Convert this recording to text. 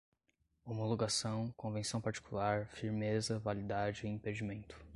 homologação, convenção particular, firmeza, validade, impedimento